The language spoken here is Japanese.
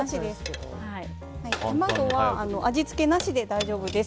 卵は味付けなしで大丈夫です。